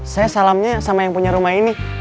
saya salamnya sama yang punya rumah ini